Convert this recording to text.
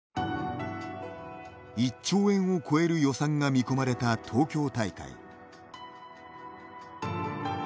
１兆円を超える予算が見込まれた東京大会。